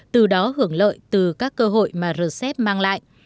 từ đó hưởng lợi từ các cơ hội mà rcep mang lại